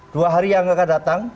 dua hari yang akan datang